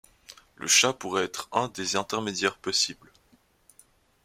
Le chat pourrait être un des intermédiaires possibles.